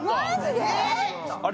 あれ？